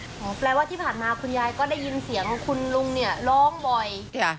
แปลว่าที่ผ่านมาคุณยายก็ได้ยินเสียงคุณลุงเนี่ยร้องบ่อย